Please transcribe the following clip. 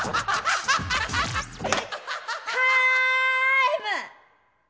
タイム！